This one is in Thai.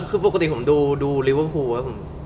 คือปกติผมดูริวภูมิว่าผม